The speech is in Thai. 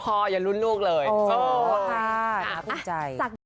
เพราะหนูก็จะแบบออกงานเจอคนเยอะกว่า